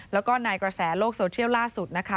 แล้วก็ในกระแสโลกโซเทียลล่าสุดนะคะ